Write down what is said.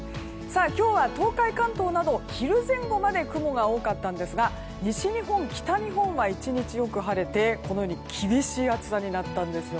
今日は東海・関東など昼前後まで雲が多かったんですが西日本、北日本は１日よく晴れて厳しい暑さになったんです。